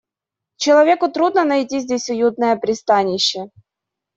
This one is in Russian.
Человеку трудно найти здесь уютное пристанище.